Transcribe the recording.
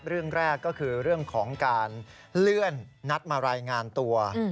เรื่องแรกก็คือเรื่องของการเลื่อนนัดมารายงานตัว